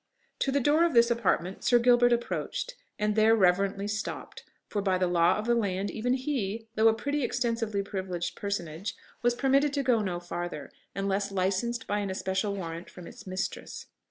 To the door of this apartment Sir Gilbert approached, and there reverently stopped; for by the law of the land, even he, though a pretty extensively privileged personage, was permitted to go no farther, unless licensed by an especial warrant from its mistress.